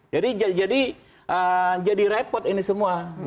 jadi jadi repot ini semua